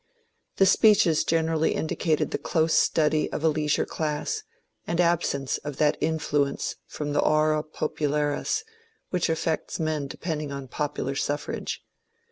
The speeches generally indicated the close study of a leisure class, and absence of that influence from the aura popularis which affects men depending on popular suffrage.